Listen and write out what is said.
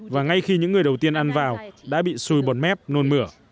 và ngay khi những người đầu tiên ăn vào đã bị xuôi bột mép nôn mửa